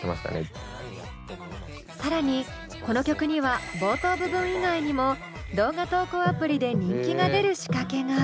更にこの曲には冒頭部分以外にも動画投稿アプリで人気が出る仕掛けが。